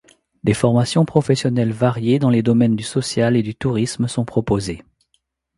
Des formations professionnelles variées dans les domaines du social et du tourisme sont proposées.